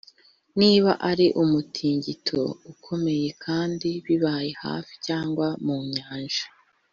niba ari umutingito ukomeye kandi bibaye hafi cyangwa mu nyanja,